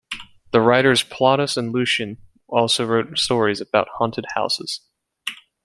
The writers Plautus and Lucian also wrote stories about haunted houses.